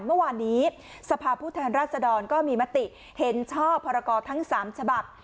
เมื่อวานนี้สภาพผู้แทนราชดรก็มีมติเห็นชอบพรกรทั้ง๓ฉบับ